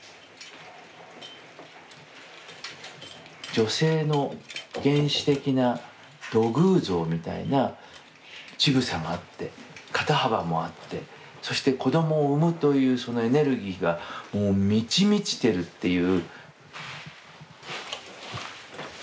女性の原始的な土偶像みたいな乳房があって肩幅もあってそして子供を産むというそのエネルギーがもう満ち満ちてるっていう。